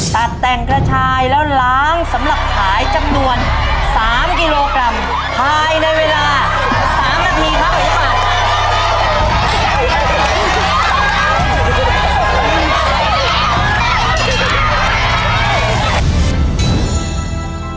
ตัดแต่งกระชายแล้วล้างสำหรับขายจำนวน๓กิโลกรัมภายในเวลา๓นาทีครับหมูป่า